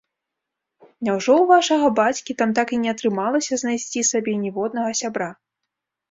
Няўжо ў вашага бацькі там так і не атрымалася знайсці сабе ніводнага сябра?